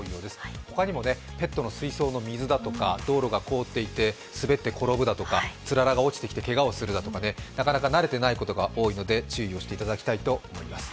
他にもペットの水槽の水だとか、道路が凍っていて滑って転ぶとかつららが落ちてけがをするとかなかなか慣れてないことが多いので注意をしていただきたいと思います。